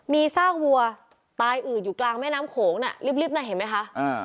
มีซากวัวตายอืดอยู่กลางแม่น้ำโขงน่ะริบน่ะเห็นไหมคะ